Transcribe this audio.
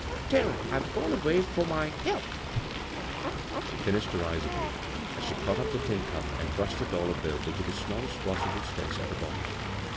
Tell her I've gone away for my health 1 " she fin ished derisively, as she caught up the tin cup, and crushed the dollar bill into the smallest possible space at the bottom.